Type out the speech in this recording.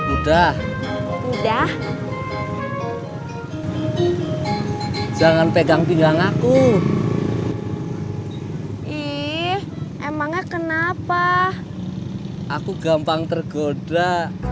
udah udah jangan pegang pinggang aku ih emangnya kenapa aku gampang tergoda